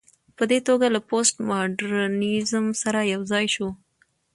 په دې توګه له پوسټ ماډرنيزم سره يوځاى شو